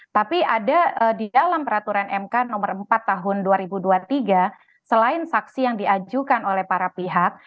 tapi ada di dalam peraturan mk nomor empat tahun dua ribu dua puluh tiga selain saksi yang diajukan oleh para pihak